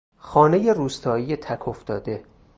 خانهی روستایی تک افتاده